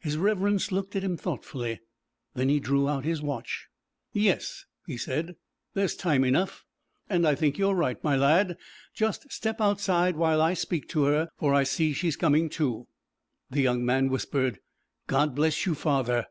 His Reverence looked at him thoughtfully. Then he drew out his watch. 'Yes,' he said, 'there's time enough, and I think you're right, my lad. Just step outside while I speak to her, for I see she's coming to.' The young man whispered: 'God bless you, Father!